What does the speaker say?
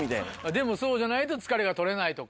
でもそうじゃないと疲れが取れないとか。